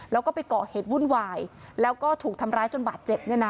แล้วก็ไปก่อเหตุวุ่นวายแล้วก็ถูกทำร้ายจนบาดเจ็บเนี่ยนะ